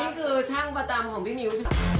นี่คือช่างประจำของพี่มิ้วค่ะ